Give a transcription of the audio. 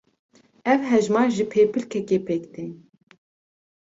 Ev hejmar ji pêpilkekê pêk tên.